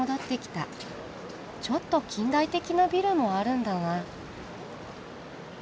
ちょっと近代的なビルもあるんだな。